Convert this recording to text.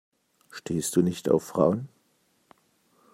Stehst du nicht auf Frauen?